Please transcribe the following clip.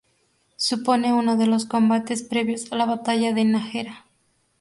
Supone uno de los combates previos a la batalla de Nájera.